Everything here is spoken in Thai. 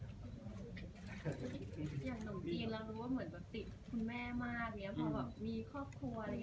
อย่างหนุ่มจีนเรารู้ว่าเหมือนติดคุณแม่มากเนี่ยพอแบบมีครอบครัว